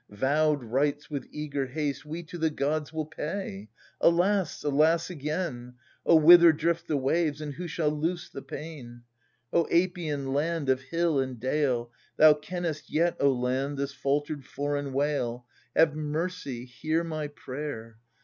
Vowed rites, with eager haste, we to the gods will pay ! Alas, alas again ! O whither drift the waves ? and who shall loose the pain ? O Apian land of hill and dale, Thou kennest yet, O land, this faltered foreign wail ! Have mercy, hear my prayer